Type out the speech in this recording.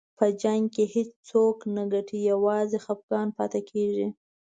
په جنګ کې هېڅوک نه ګټي، یوازې خفګان پاتې کېږي.